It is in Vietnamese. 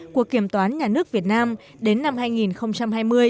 của kiểm toán nhà nước việt nam đến năm hai nghìn hai mươi